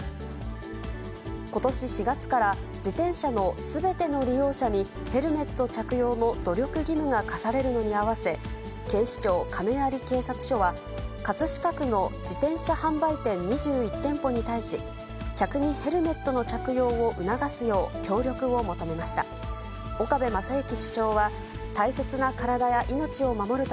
ことし４月から自転車のすべての利用者に、ヘルメット着用の努力義務が課されるのに合わせ、警視庁亀有警察署は、葛飾区の自転車販売店２１店舗に対し、客にヘルメットの着用を促すよう協力を求めました。